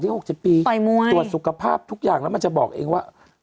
พี่ตรวจสุขภาพถึง๖๗ปีตรวจสุขภาพทุกอย่างแล้วมันจะบอกเองว่า